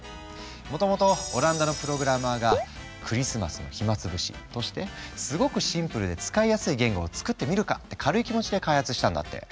もともとオランダのプログラマーがクリスマスの暇潰しとしてすごくシンプルで使いやすい言語を作ってみるかって軽い気持ちで開発したんだって。